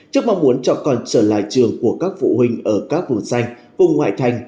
trước mong muốn cho con trở lại trường của các phụ huynh ở các vùng xanh vùng ngoại thành